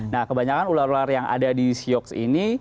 nah kebanyakan ular ular yang ada di sioks ini